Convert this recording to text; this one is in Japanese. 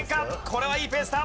これはいいペースだ。